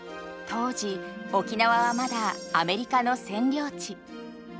当時沖縄はまだアメリカの占領地。